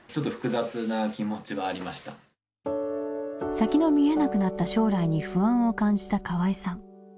先の見えなくなった将来に不安を感じた河合さん。